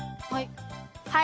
はい。